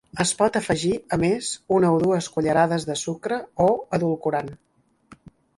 Es pot afegir, a més una o dues cullerades de sucre o edulcorant.